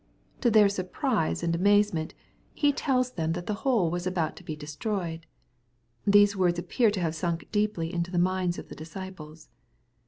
To their surprise and amazement. He tells them that the whole was about to be destroyed. These words appear to have sunk deeply into the minds of the disciples.